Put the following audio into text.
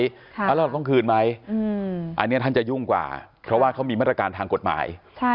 แล้วเราต้องคืนไหมอันนี้ท่านจะยุ่งกว่าเพราะว่าเขามีมาตรการทางกฎหมาย